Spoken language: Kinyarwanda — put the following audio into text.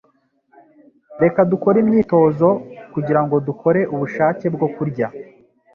Reka dukore imyitozo kugirango dukore ubushake bwo kurya.